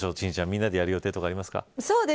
みんなでやる予定とかありますか。